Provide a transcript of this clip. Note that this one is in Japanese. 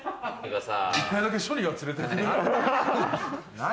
１回だけ署には連れてく？